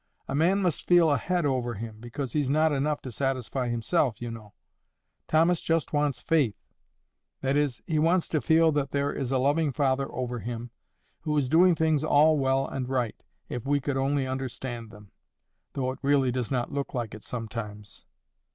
A man must feel a head over him, because he's not enough to satisfy himself, you know. Thomas just wants faith; that is, he wants to feel that there is a loving Father over him, who is doing things all well and right, if we could only understand them, though it really does not look like it sometimes."